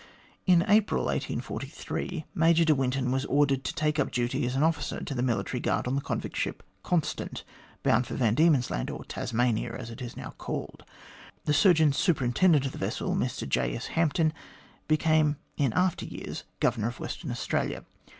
In April, 1843, Major de Winton was ordered to take up duty as an officer of the military guard on the convict ship Constant, bound for Van Diemen's Land, or Tasmania, as it is now called. The Surgeon Superintendent of the vessel, Mr J. S. Hampton, became in after years Governor of Western Australia.